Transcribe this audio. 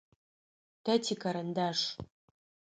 Тэ тикарандаш.